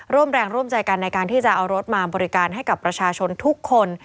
ร่วมแรงร่วมใจกันในการที่จะเอารถมาบริการให้กับประชาชนทุกคน